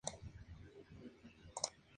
El edificio perdió la mansarda en aquel incendio.